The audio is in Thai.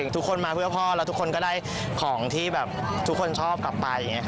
ทุกคนมาเพื่อพ่อแล้วทุกคนก็ได้ของที่แบบทุกคนชอบกลับไป